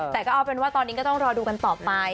แต่ก็เอาเป็นว่าตอนนี้ก็ต้องรอดูกันต่อไป